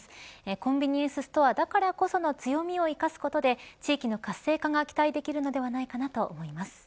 コンビニエンスストアだからこその強みを生かすことで地域の活性化が期待できるのではないかと思います。